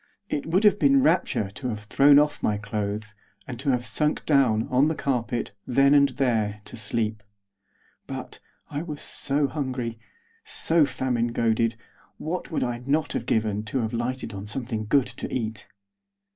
It would have been rapture to have thrown off my clothes, and to have sunk down, on the carpet, then and there, to sleep. But, I was so hungry, so famine goaded; what would I not have given to have lighted on something good to eat!